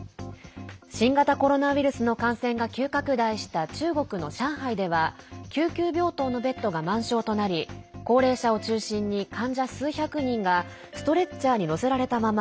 新型コロナウイルスの感染が急拡大した中国の上海では救急病棟のベッドが満床となり高齢者を中心に、患者数百人がストレッチャーに乗せられたまま